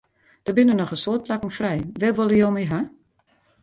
Der binne noch in soad plakken frij, wêr wolle jo my hawwe?